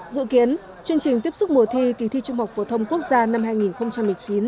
dự kiến chương trình tiếp xúc mùa thi kỳ thi trung học phổ thông quốc gia năm hai nghìn một mươi chín